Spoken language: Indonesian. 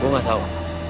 gue gak tau